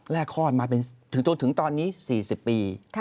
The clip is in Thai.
คลอดมาจนถึงตอนนี้๔๐ปี